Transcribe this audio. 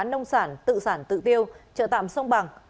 nông sản tự sản tự tiêu trợ tạm sông bằng